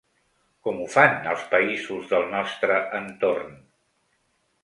Com ho fan els països del nostre entorn?